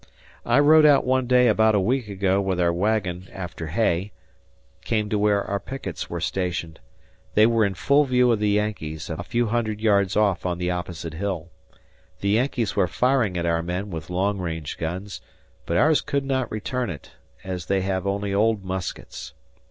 ... I rode out one day about a week ago with our wagon after hay, came to where our pickets were stationed, they were in full view of the Yankees, a few hundred yards off on the opposite hill. The Yankees were firing at our men with long range guns, but ours could not return it, as they have only old muskets.